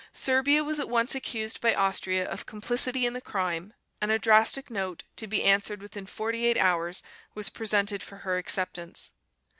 Serbia was at once accused by Austria of complicity in the crime, and a drastic note, to be answered within forty eight hours, was presented for her acceptance.